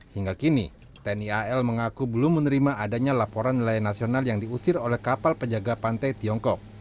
hingga kini tni al mengaku belum menerima adanya laporan nelayan nasional yang diusir oleh kapal penjaga pantai tiongkok